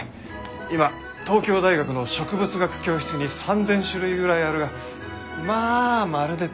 今東京大学の植物学教室に３，０００種類ぐらいあるがまあまるで足らんよ。